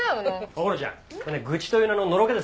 こころちゃんそれね愚痴という名ののろけですわ。